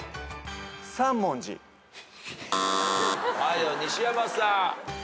はいでは西山さん。